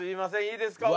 いいですか？